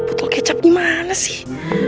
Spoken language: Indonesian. botol kecap gimana sih